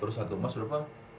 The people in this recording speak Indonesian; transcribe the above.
terus satu emas berapa